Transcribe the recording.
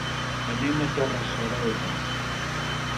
Anem a Torre-serona.